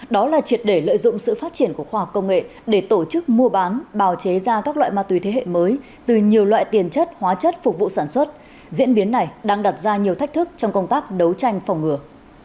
đó là triệt để lợi dụng sự phát triển của khoa học công nghệ để tổ chức mua bán bào chế ra các loại ma túy thế hệ mới từ nhiều loại tiền chất hóa chất phục vụ sản xuất diễn biến này đang đặt ra nhiều thách thức trong công tác đấu tranh phòng ngừa